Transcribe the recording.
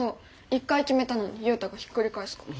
一回決めたのにユウタがひっくり返すから。